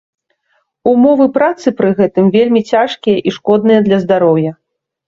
Умовы працы пры гэтым вельмі цяжкія і шкодныя для здароўя.